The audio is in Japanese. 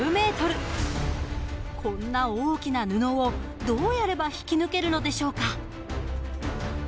こんな大きな布をどうやれば引き抜けるのでしょうか？